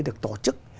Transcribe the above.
được tổ chức